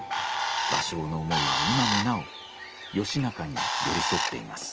芭蕉の思いは今もなお義仲に寄り添っています。